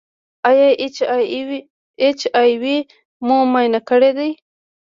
ایا ایچ آی وي مو معاینه کړی دی؟